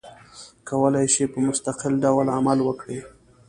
کولای شي په مستقل ډول عمل وکړي.